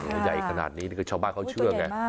ตัวใหญ่ขนาดนี้นั่นคือชาวบ้านเขาเชื่อไงเฮ้ยเยี่ยมมาก